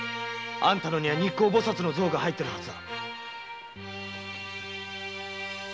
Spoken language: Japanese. あんたのには「日光菩薩像」が入ってるはずだ！